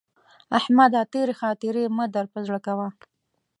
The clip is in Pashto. احمده! تېرې خاطرې مه در پر زړه کوه.